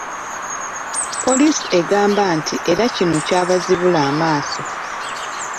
Poliisi egamba nti era kino kyabazibula amaaso.